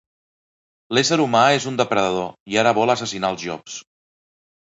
L'ésser humà és un depredador i ara vol assassinar els llops